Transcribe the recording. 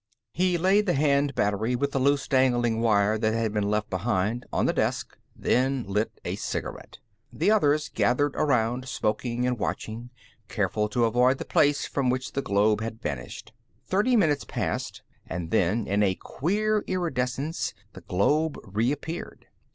He laid the hand battery, with the loose dangling wire that had been left behind, on the desk, then lit a cigarette. The others gathered around, smoking and watching, careful to avoid the place from which the globe had vanished. Thirty minutes passed, and then, in a queer iridescence, the globe reappeared.